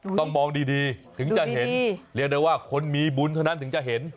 ต้องมองดีถึงจะเห็นเรียกได้ว่าคนมีบุญเท่านั้นถึงจะเห็น